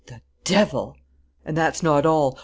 "The devil!" "And that's not all.